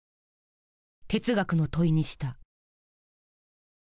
哲学の問いにした。